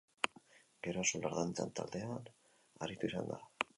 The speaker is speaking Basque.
Gero Axular Dantza Taldean aritu izan da.